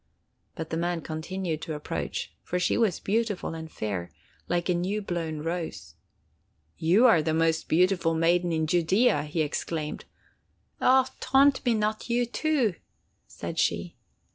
But the man continued to approach, for she was beautiful and fair, like a new blown rose. 'You are the most beautiful maiden in Judea!' he exclaimed. 'Ah, taunt me not—you, too!' said she.